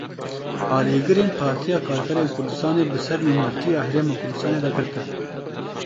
Alîgirên Partiya Karkerên Kurdistanê bi ser Nûnertiya Herêma Kurdistanê de girtin.